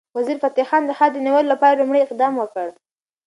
وزیرفتح خان د ښار د نیولو لپاره لومړی اقدام وکړ.